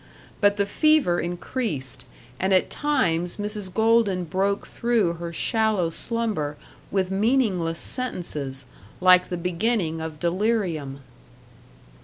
But the fever increased, and at times Mrs. Golden broke through her shallow slumber with meaningless sentences, like the beginning of delirium.